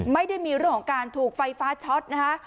ไม่ได้มีเรื่องของการถูกไฟฟ้าช็อตนะคะ